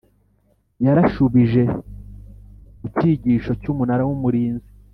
yarashubije mu cyigisho cy Umunara w Umurinzi